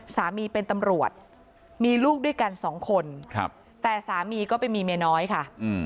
สามีเป็นตำรวจมีลูกด้วยกันสองคนครับแต่สามีก็ไปมีเมียน้อยค่ะ